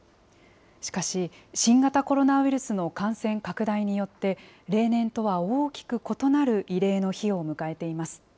しかし、新型コロナウイルスの感染拡大によって、例年とは大きく異なる慰霊の日を迎えています。